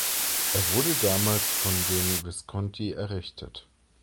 Er wurde damals von den Visconti errichtet.